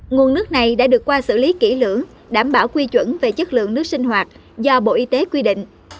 nguồn nước này đã được qua xử lý kỹ lưỡng đảm bảo quy chuẩn về chất lượng nước sinh hoạt do bộ y tế quy định